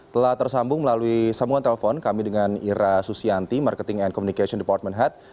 telah tersambung melalui sambungan telepon kami dengan ira susianti marketing and communication department head